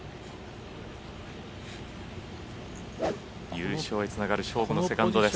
優勝へつながる勝負のセカンドです。